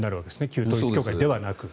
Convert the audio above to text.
旧統一教会ではなく。